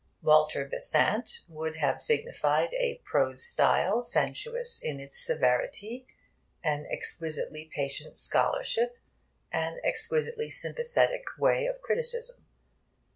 'Walter Besant' would have signified a prose style sensuous in its severity, an exquisitely patient scholarship, an exquisitely sympathetic way of criticism.